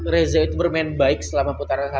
reza itu bermain baik selama putaran satu